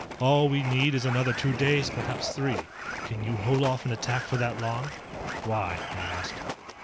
All we need is another two days, perhaps three. Can you hold off an attack for that long?" "Why?" I asked.